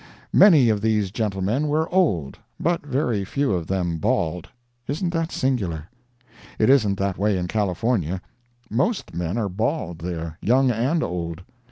Many of these gentlemen were old, but very few of them bald—isn't that singular? It isn't that way in California. Most men are bald there, young and old.